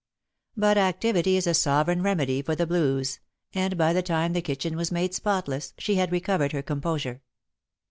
But activity is a sovereign remedy for the blues, and by the time the kitchen was made spotless, she had recovered her composure.